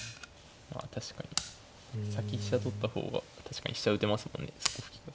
まあ確かに先飛車取った方が確かに飛車打てますもんね。